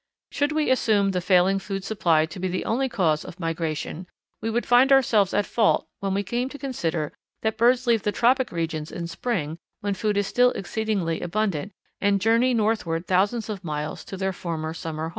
Should we assume the failing food supply to be the sole cause of migration, we would find ourselves at fault when we came to consider that birds leave the tropic regions in spring, when food is still exceedingly abundant, and journey northward thousands of miles to their former summer haunts.